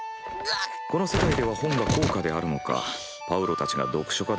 この世界では本が高価であるのかパウロたちが読書家ではないのか。